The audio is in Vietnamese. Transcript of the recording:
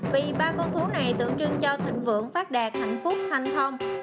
vì ba con thú này tượng trưng cho thịnh vượng phát đạt hạnh phúc thanh phong